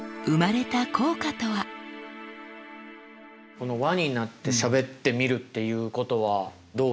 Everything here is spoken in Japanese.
この輪になってしゃべってみるっていうことはどうですか？